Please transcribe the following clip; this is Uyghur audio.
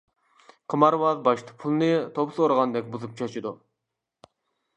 قىمارۋاز باشتا پۇلنى توپا سورىغاندەك بۇزۇپ چاچىدۇ.